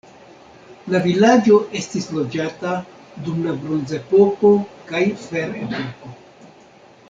La vilaĝo estis loĝata dum la bronzepoko kaj ferepoko.